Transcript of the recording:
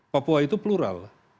papua itu plural